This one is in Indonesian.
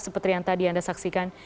seperti yang tadi anda saksikan